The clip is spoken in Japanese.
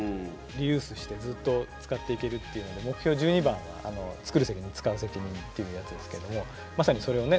リユースしてずっと使っていけるっていうので目標１２番が「つくる責任つかう責任」っていうやつですけどもまさにそれをね